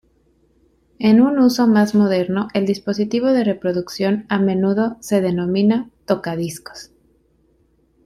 En un uso más moderno, el dispositivo de reproducción a menudo se denomina "tocadiscos".